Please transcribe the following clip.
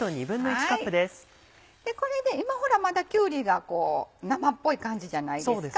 これで今まだきゅうりが生っぽい感じじゃないですか。